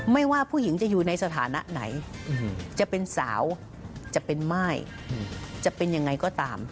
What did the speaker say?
ไม่ว่าผู้หญิงจะอยู่ในสถานะไหนจะเป็นสาวจะเป็นม่ายจะเป็นยังไงก็ตาม